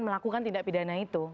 melakukan tindak pidana itu